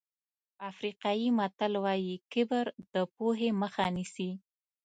افریقایي متل وایي کبر د پوهې مخه نیسي.